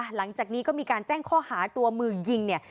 หลังจากนี้ก็มีการแจ้งข้อหาตัวมือยิงเนี่ย